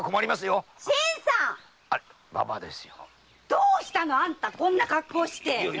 どうしたのあんたそんな格好をして！